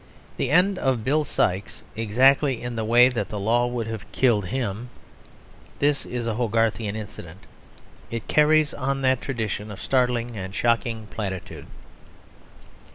The end of Bill Sikes exactly in the way that the law would have killed him this is a Hogarthian incident; it carries on that tradition of startling and shocking platitude.